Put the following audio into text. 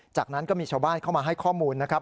จากนั้นก็มีชาวบ้านเข้ามาให้ข้อมูลนะครับ